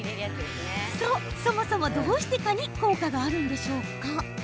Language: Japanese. そもそも、どうして蚊に効果があるんでしょうか？